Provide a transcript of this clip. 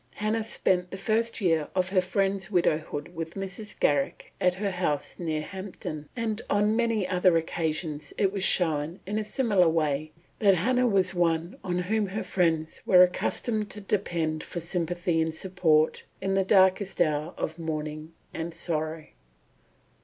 Hannah spent the first year of her friend's widowhood with Mrs. Garrick at her house near Hampton; and on many other occasions it was shown, in a similar way, that Hannah was one on whom her friends were accustomed to depend for sympathy and support in the darkest hours of mourning and sorrow.